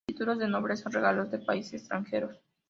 Títulos de nobleza; regalos de países extranjeros.